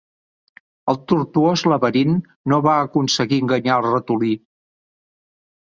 El tortuós laberint no va aconseguir enganyar el ratolí.